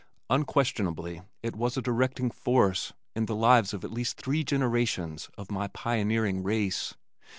Unquestionably it was a directing force in the lives of at least three generations of my pioneering race.